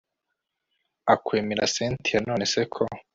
akwemera cyntia nonese ko